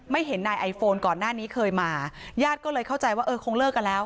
เห็นนายไอโฟนก่อนหน้านี้เคยมาญาติก็เลยเข้าใจว่าเออคงเลิกกันแล้ว